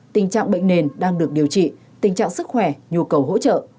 tình trạng bệnh nền đang được điều trị tình trạng sức khỏe nhu cầu hỗ trợ